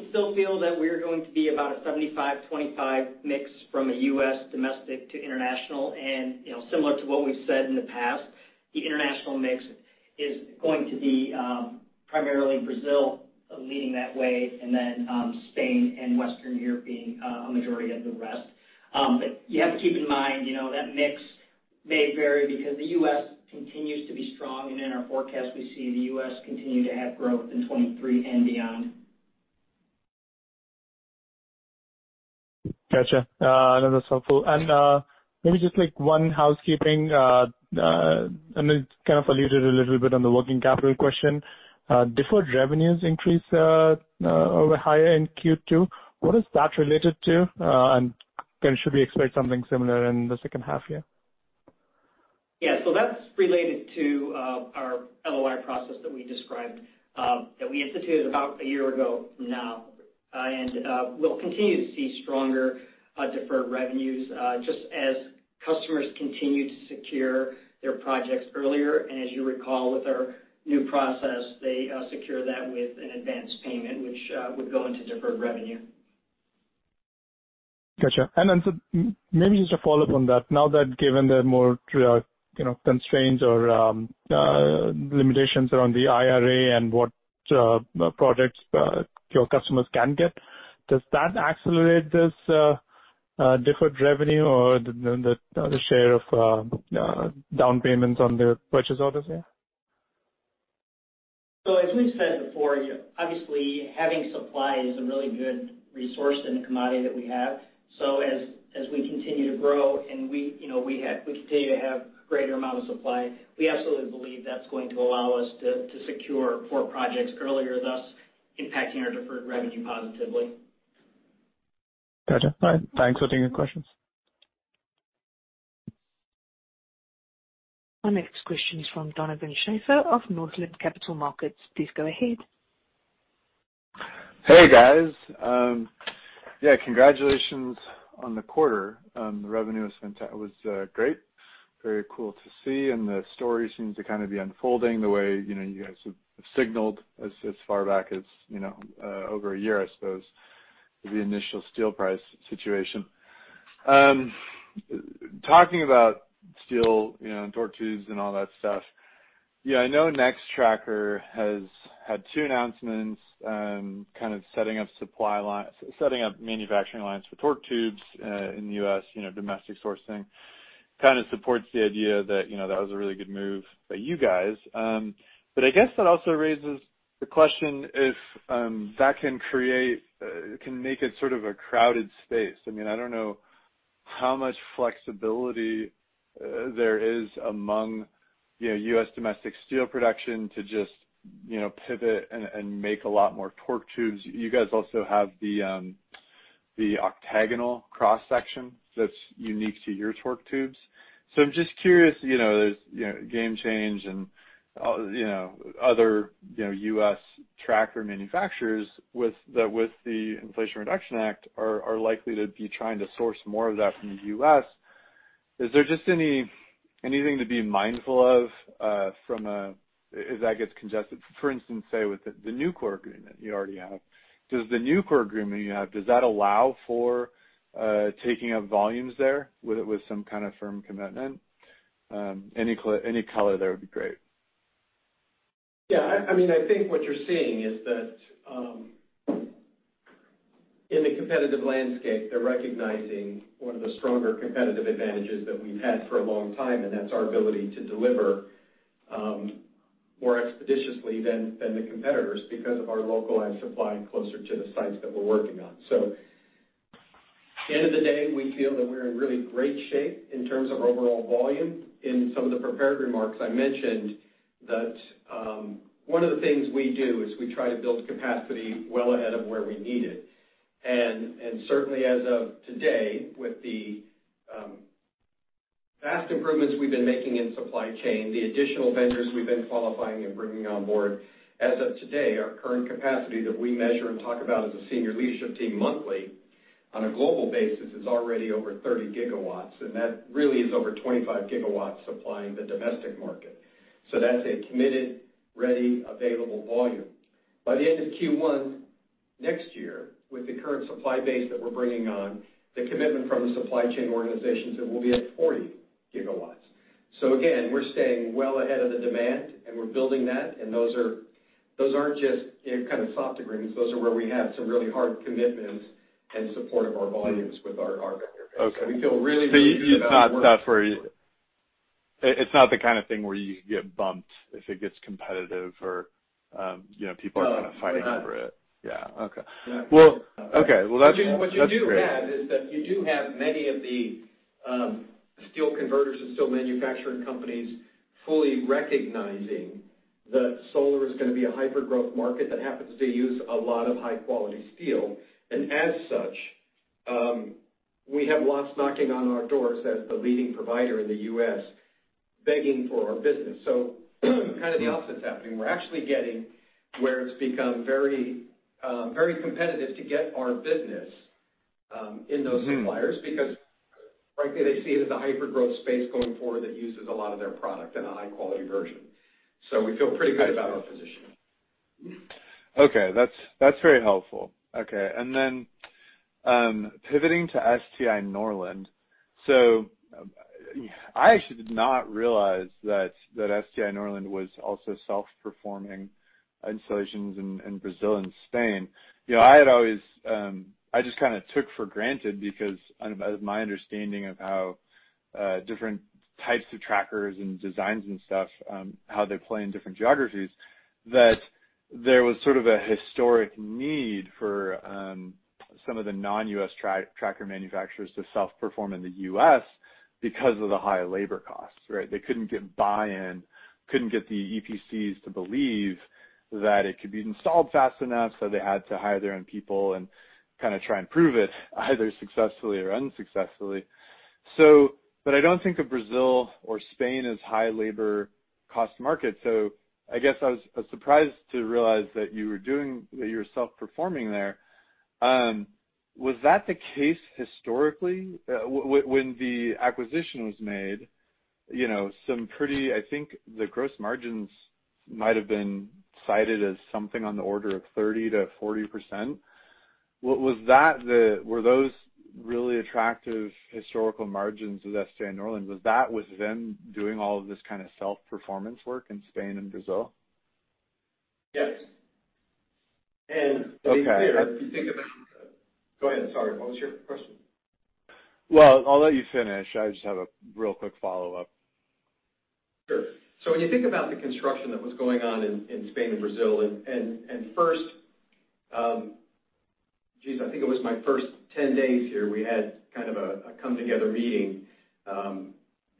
still feel that we're going to be about a 75/25 mix from a U.S. domestic to international. You know, similar to what we've said in the past, the international mix is going to be primarily Brazil leading that way and then Spain and Western Europe being a majority of the rest. But you have to keep in mind, you know, that mix may vary because the U.S. continues to be strong, and in our forecast, we see the U.S. continue to have growth in 2023 and beyond.
Gotcha. That was helpful. Maybe just like one housekeeping, and it's kind of alluded to a little bit in the working capital question. Deferred revenues increased year-over-year in Q2. What is that related to? Then should we expect something similar in the second half year?
Yeah. That's related to our LOI process that we described that we instituted about a year ago now. We'll continue to see stronger deferred revenues just as customers continue to secure their projects earlier. As you recall with our new process, they secure that with an advanced payment, which would go into deferred revenue.
Gotcha. Maybe just a follow-up on that. Now that, given the more constraints or limitations around the IRA and what projects your customers can get, does that accelerate this deferred revenue or the other share of down payments on the purchase orders there?
As we said before, obviously having supply is a really good resource and a commodity that we have. As we continue to grow and we, you know, continue to have greater amount of supply, we absolutely believe that's going to allow us to secure more projects earlier, thus impacting our deferred revenue positively.
Gotcha. All right. Thanks for taking the questions.
Our next question is from Donovan Schafer of Northland Capital Markets. Please go ahead.
Hey, guys. Yeah, congratulations on the quarter. The revenue was great, very cool to see, and the story seems to kind of be unfolding the way, you know, you guys have signaled as far back as, you know, over a year, I suppose, with the initial steel price situation. Talking about steel, you know, and torque tubes and all that stuff, yeah, I know Nextracker has had two announcements, kind of setting up manufacturing lines for torque tubes in the U.S., you know, domestic sourcing. Kind of supports the idea that, you know, that was a really good move by you guys. I guess that also raises the question if that can make it sort of a crowded space. I mean, I don't know how much flexibility there is among you know U.S. domestic steel production to just you know pivot and make a lot more torque tubes. You guys also have the octagonal cross-section that's unique to your torque tubes. So I'm just curious, you know, there's you know GameChange Solar and you know other you know U.S. tracker manufacturers with the with the Inflation Reduction Act are likely to be trying to source more of that from the U.S. Is there just anything to be mindful of from as that gets congested? For instance, say with the Nucor agreement you already have, does the Nucor agreement you have allow for taking up volumes there with some kind of firm commitment? Any color there would be great.
Yeah. I mean, I think what you're seeing is that, in the competitive landscape, they're recognizing one of the stronger competitive advantages that we've had for a long time, and that's our ability to deliver more expeditiously than the competitors because of our localized supply closer to the sites that we're working on. At the end of the day, we feel that we're in really great shape in terms of overall volume. In some of the prepared remarks, I mentioned that one of the things we do is we try to build capacity well ahead of where we need it. Certainly as of today, with the vast improvements we've been making in supply chain, the additional vendors we've been qualifying and bringing on board, as of today, our current capacity that we measure and talk about as a senior leadership team monthly on a global basis is already over 30 gigawatts, and that really is over 25 gigawatts supplying the domestic market. That's a committed, ready, available volume. By the end of Q1 next year, with the current supply base that we're bringing on, the commitment from the supply chain organizations, it will be at 40 gigawatts. Again, we're staying well ahead of the demand, and we're building that, and those aren't just, you know, kind of soft agreements. Those are where we have some really hard commitments in support of our volumes with our vendors.
Okay.
We feel really, really good about where we are.
It's not the kind of thing where you could get bumped if it gets competitive or, you know, people are kind of fighting over it.
No. No.
Yeah. Okay.
No.
Well, okay. Well, that's great.
What you do have is that you do have many of the steel converters and steel manufacturing companies fully recognizing that solar is gonna be a hyper-growth market that happens to use a lot of high-quality steel. As such, we have lots knocking on our doors as the leading provider in the U.S. begging for our business. Kind of the opposite's happening. We're actually getting where it's become very, very competitive to get our business in those suppliers. Because frankly, they see it as a hyper-growth space going forward that uses a lot of their product in a high-quality version. We feel pretty good about our position.
Okay. That's very helpful. Okay. Pivoting to STI Norland. I actually did not realize that STI Norland was also self-performing installations in Brazil and Spain. You know, I had always, I just kinda took for granted because of my understanding of how different types of trackers and designs and stuff, how they play in different geographies, that there was sort of a historic need for some of the non-U.S. tracker manufacturers to self-perform in the U.S. because of the high labor costs, right? They couldn't get buy-in, couldn't get the EPCs to believe that it could be installed fast enough, so they had to hire their own people and kinda try and prove it either successfully or unsuccessfully. But I don't think of Brazil or Spain as high labor cost market. I guess I was surprised to realize that you were self-performing there. Was that the case historically? When the acquisition was made, I think the gross margins might have been cited as something on the order of 30%-40%. Were those really attractive historical margins of STI Norland? Was that with them doing all of this kind of self-performance work in Spain and Brazil?
Yes. Go ahead. Sorry, what was your question?
Well, I'll let you finish. I just have a real quick follow-up.
Sure. When you think about the construction that was going on in Spain and Brazil, and first, I think it was my first 10 days here, we had kind of a come together meeting,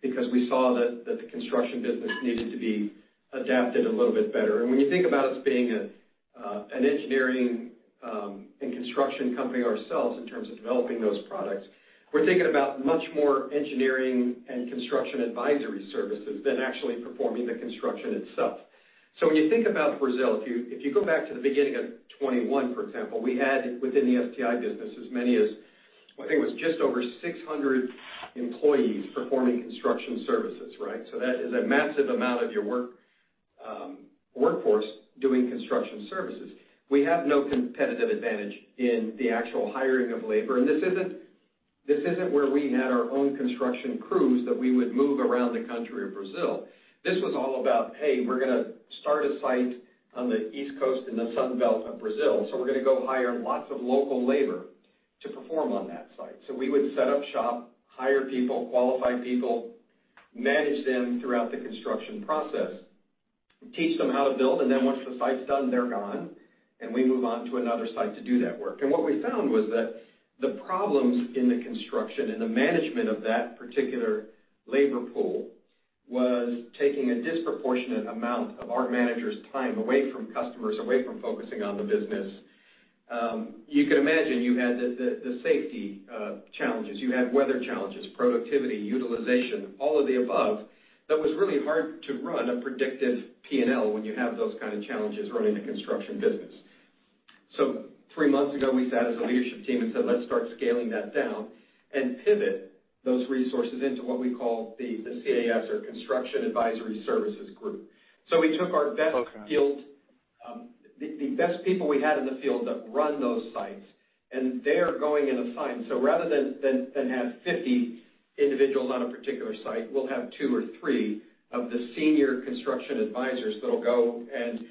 because we saw that the construction business needed to be adapted a little bit better. When you think about us being an engineering and construction company ourselves in terms of developing those products, we're thinking about much more engineering and Construction Advisory Services than actually performing the construction itself. When you think about Brazil, if you go back to the beginning of 2021, for example, we had within the STI business as many as I think it was just over 600 employees performing construction services, right? That is a massive amount of your work, workforce doing construction services. We have no competitive advantage in the actual hiring of labor. This isn't where we had our own construction crews that we would move around the country of Brazil. This was all about, hey, we're gonna start a site on the East Coast in the Sun Belt of Brazil, so we're gonna go hire lots of local labor to perform on that site. We would set up shop, hire people, qualify people, manage them throughout the construction process, teach them how to build, and then once the site's done, they're gone, and we move on to another site to do that work. What we found was that the problems in the construction and the management of that particular labor pool was taking a disproportionate amount of our managers' time away from customers, away from focusing on the business. You can imagine you had the safety challenges, you had weather challenges, productivity, utilization, all of the above. That was really hard to run a predicted P&L when you have those kind of challenges running a construction business. Three months ago, we sat as a leadership team and said, "Let's start scaling that down and pivot those resources into what we call the CAS or Construction Advisory Services Group." We took our best field-
Okay.
The best people we had in the field that run those sites, and they are going in a site. Rather than have 50 individuals on a particular site, we'll have two or three of the senior construction advisors that'll go, and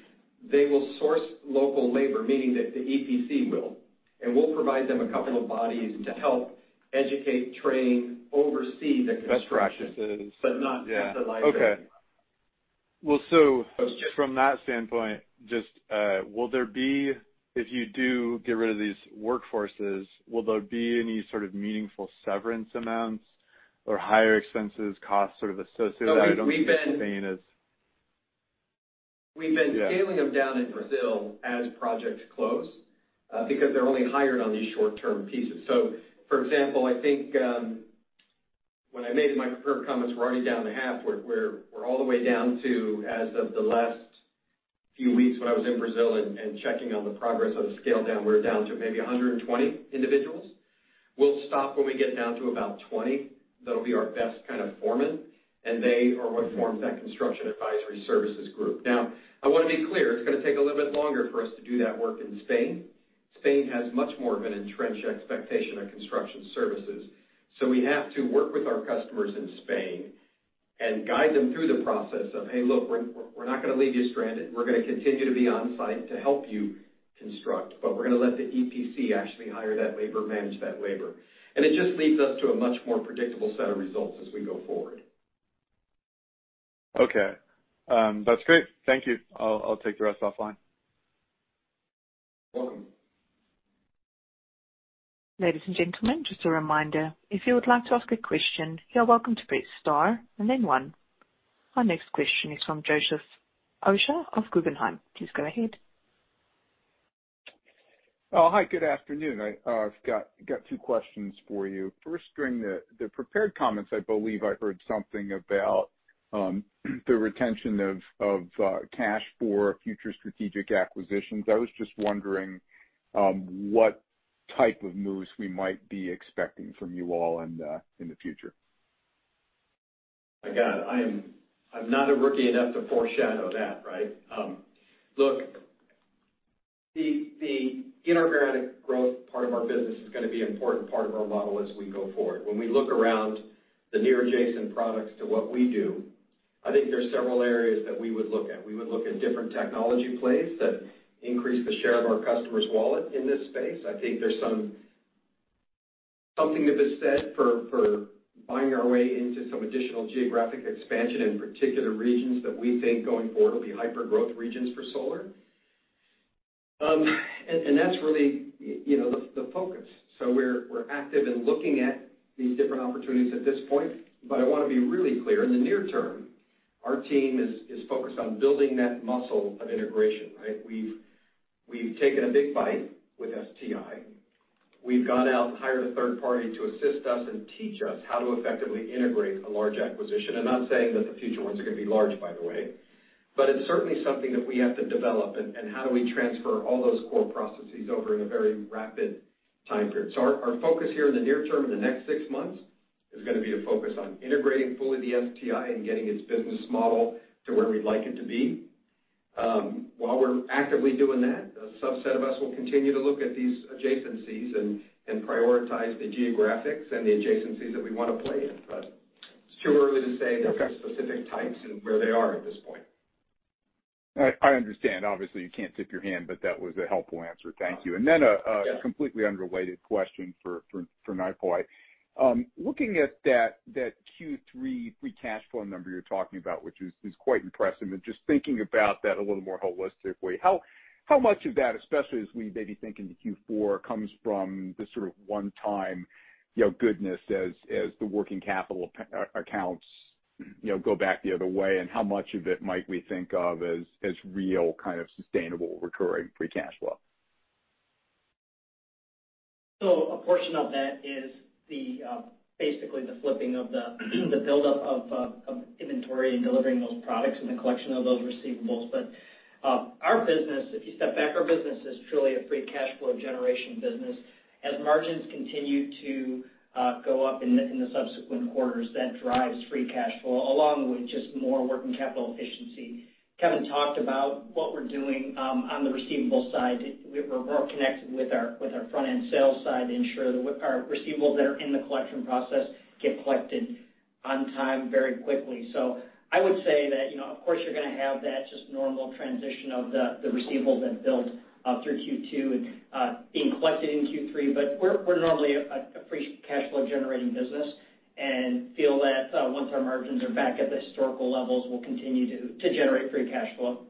they will source local labor, meaning that the EPC will, and we'll provide them a couple of bodies to help educate, train, oversee the construction.
Best practices.
not utilize it.
Yeah. Okay. Well, just from that standpoint, if you do get rid of these workforces, will there be any sort of meaningful severance amounts or higher expenses costs sort of associated? I don't think Spain is-
We've been-
Yeah.
We've been scaling them down in Brazil as projects close, because they're only hired on these short-term pieces. For example, I think, when I made my prepared comments, we're already down to half. We're all the way down to, as of the last few weeks when I was in Brazil and checking on the progress of the scale down, we're down to maybe 120 individuals. We'll stop when we get down to about 20. That'll be our best kind of foreman, and they are what forms that Construction Advisory Services group. Now, I wanna be clear, it's gonna take a little bit longer for us to do that work in Spain. Spain has much more of an entrenched expectation of construction services. We have to work with our customers in Spain and guide them through the process of, "Hey, look, we're not gonna leave you stranded. We're gonna continue to be on site to help you construct, but we're gonna let the EPC actually hire that labor, manage that labor." It just leads us to a much more predictable set of results as we go forward.
Okay. That's great. Thank you. I'll take the rest offline.
Welcome.
Ladies and gentlemen, just a reminder, if you would like to ask a question, you are welcome to press star and then one. Our next question is from Joseph Osha of Guggenheim. Please go ahead.
Oh, hi, good afternoon. I've got two questions for you. First, during the prepared comments, I believe I heard something about the retention of cash for future strategic acquisitions. I was just wondering what type of moves we might be expecting from you all in the future.
My God, I'm not a rookie enough to foreshadow that, right? Look, the inorganic growth part of our business is gonna be an important part of our model as we go forward. When we look around the near adjacent products to what we do, I think there are several areas that we would look at. We would look at different technology plays that increase the share of our customers' wallet in this space. I think there's something to be said for buying our way into some additional geographic expansion in particular regions that we think going forward will be hyper-growth regions for solar. And that's really, you know, the focus. We're active in looking at these different opportunities at this point. But I wanna be really clear. In the near term, our team is focused on building that muscle of integration, right? We've taken a big bite with STI. We've gone out and hired a third party to assist us and teach us how to effectively integrate a large acquisition. I'm not saying that the future ones are gonna be large, by the way, but it's certainly something that we have to develop and how do we transfer all those core processes over in a very rapid Timeframe. Our focus here in the near term, in the next six months, is gonna be to focus on integrating fully the STI and getting its business model to where we'd like it to be. While we're actively doing that, a subset of us will continue to look at these adjacencies and prioritize the geographics and the adjacencies that we wanna play in. It's too early to say.
Okay.
The specific types and where they are at this point.
I understand. Obviously, you can't tip your hand, but that was a helpful answer. Thank you. A completely unrelated question for Nipul. Looking at that Q3 free cash flow number you're talking about, which is quite impressive, and just thinking about that a little more holistically. How much of that, especially as we maybe think into Q4, comes from the sort of one-time, you know, goodness as the working capital accounts, you know, go back the other way, and how much of it might we think of as real kind of sustainable recurring free cash flow?
A portion of that is basically the flipping of the buildup of inventory and delivering those products and the collection of those receivables. Our business, if you step back, our business is truly a free cash flow generation business. As margins continue to go up in the subsequent quarters, that drives free cash flow along with just more working capital efficiency. Kevin talked about what we're doing on the receivables side. We're more connected with our front-end sales side to ensure that our receivables that are in the collection process get collected on time very quickly. I would say that, you know, of course, you're gonna have that just normal transition of the receivables that built through Q2 and being collected in Q3, but we're normally a free cash flow generating business and feel that, once our margins are back at the historical levels, we'll continue to generate free cash flow.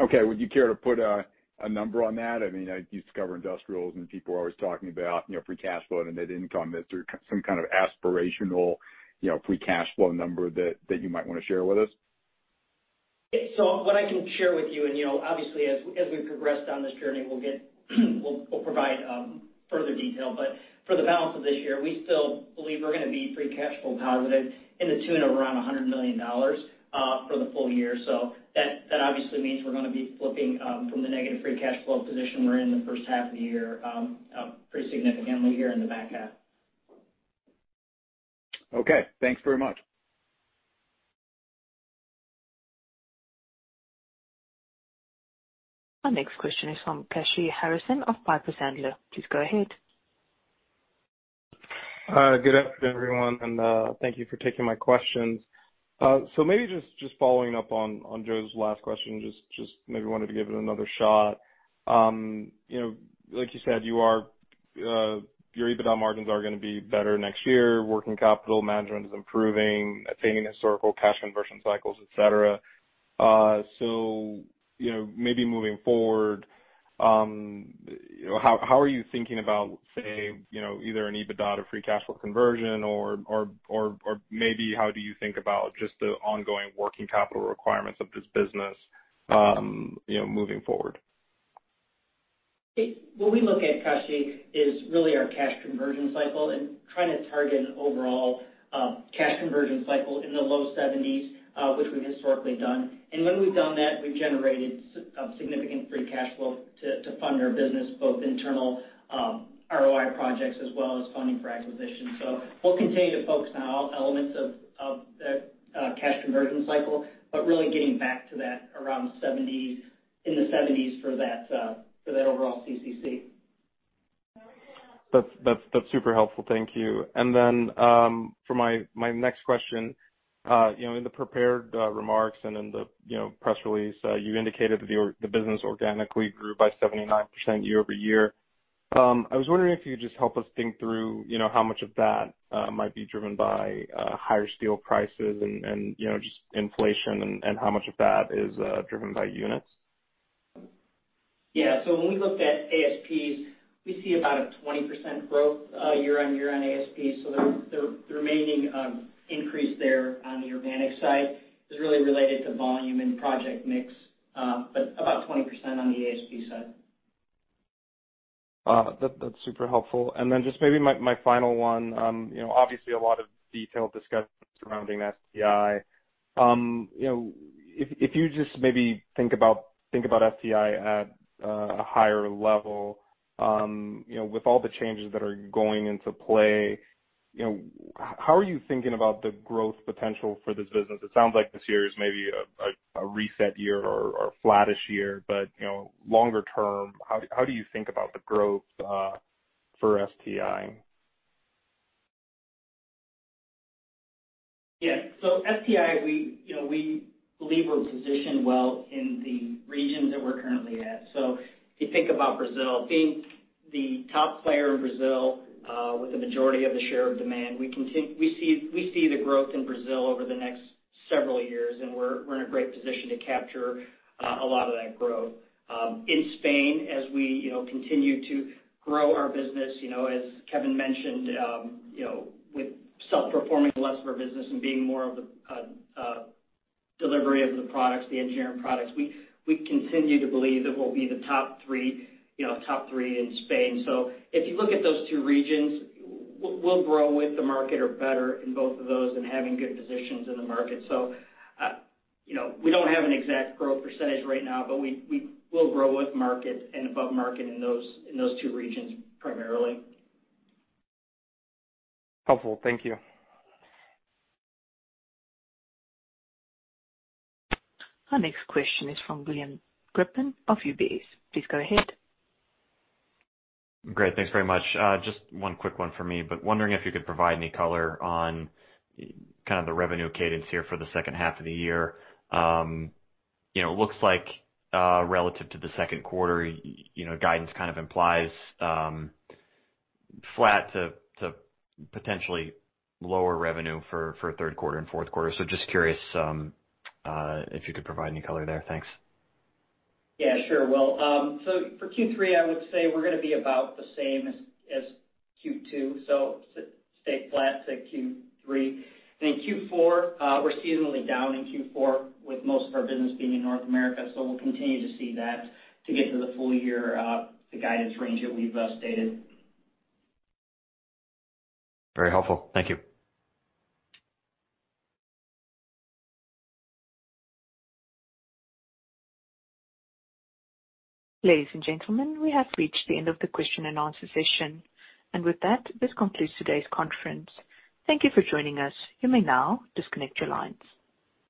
Okay. Would you care to put a number on that? I mean, I used to cover industrials, and people are always talking about, you know, free cash flow and net income. Is there some kind of aspirational, you know, free cash flow number that you might wanna share with us?
What I can share with you know, obviously, as we progress down this journey, we'll provide further detail. For the balance of this year, we still believe we're gonna be free cash flow positive in the tune of around $100 million for the full year. That obviously means we're gonna be flipping from the negative free cash flow position we're in in the first half of the year pretty significantly here in the back half.
Okay. Thanks very much.
Our next question is from Kashy Harrison of Piper Sandler. Please go ahead.
Good afternoon, everyone, and thank you for taking my questions. Maybe just following up on Joe's last question, just maybe wanted to give it another shot. You know, like you said, your EBITDA margins are gonna be better next year, working capital management is improving, attaining historical cash conversion cycles, et cetera. You know, maybe moving forward, you know, how are you thinking about, say, you know, either an EBITDA to free cash flow conversion or maybe how do you think about just the ongoing working capital requirements of this business, you know, moving forward?
What we look at, Kashy, is really our cash conversion cycle and trying to target an overall cash conversion cycle in the low seventies, which we've historically done. When we've done that, we've generated a significant free cash flow to fund our business, both internal ROI projects as well as funding for acquisitions. We'll continue to focus on all elements of that cash conversion cycle, but really getting back to that in the seventies for that overall CCC.
That's super helpful. Thank you. For my next question, you know, in the prepared remarks and in the press release, you indicated that the business organically grew by 79% year-over-year. I was wondering if you could just help us think through, you know, how much of that might be driven by higher steel prices and, you know, just inflation and how much of that is driven by units.
When we looked at ASPs, we see about a 20% growth, year-on-year on ASP. The remaining increase there on the organic side is really related to volume and project mix, but about 20% on the ASP side.
That's super helpful. Then just maybe my final one. You know, obviously a lot of detailed discussion surrounding STI. You know, if you just maybe think about STI at a higher level, you know, with all the changes that are going into play, you know, how are you thinking about the growth potential for this business? It sounds like this year is maybe a reset year or a flattish year, but you know, longer term, how do you think about the growth for STI?
STI, we believe we're positioned well in the regions that we're currently at. If you think about Brazil, being the top player in Brazil with the majority of the share of demand, we see the growth in Brazil over the next several years, and we're in a great position to capture a lot of that growth. In Spain, as we, you know, continue to grow our business, you know, as Kevin mentioned, you know, with self-performing less of our business and being more of the delivery of the products, the engineering products, we continue to believe that we'll be the top three in Spain. If you look at those two regions, we'll grow with the market or better in both of those and having good positions in the market. You know, we don't have an exact growth percentage right now, but we will grow with market and above market in those two regions primarily.
Helpful. Thank you.
Our next question is from William Grippin of UBS. Please go ahead.
Great. Thanks very much. Just one quick one for me, but wondering if you could provide any color on kind of the revenue cadence here for the second half of the year. You know, it looks like, relative to the second quarter, you know, guidance kind of implies flat to potentially lower revenue for third quarter and fourth quarter. Just curious if you could provide any color there. Thanks.
Yeah, sure. Well, for Q3, I would say we're gonna be about the same as Q2, so stay flat to Q3. Q4, we're seasonally down in Q4 with most of our business being in North America, so we'll continue to see that to get to the full year, the guidance range that we've stated.
Very helpful. Thank you.
Ladies and gentlemen, we have reached the end of the question and answer session. With that, this concludes today's conference. Thank you for joining us. You may now disconnect your lines.